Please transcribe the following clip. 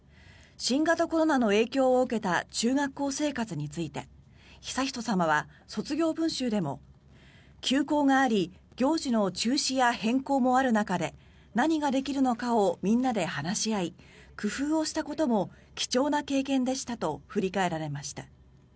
新型コロナの影響を受けた中学校生活について悠仁さまは卒業文集でも休校があり行事の中止や変更もある中で何ができるのかをみんなで話し合い工夫をしたことも貴重な経験でしたと振り返られました。